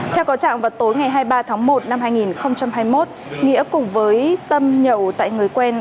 theo có trạng vào tối ngày hai mươi ba tháng một năm hai nghìn hai mươi một nghĩa cùng với tâm nhậu tại người quen